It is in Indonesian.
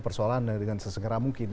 persoalan dengan sesenggera mungkin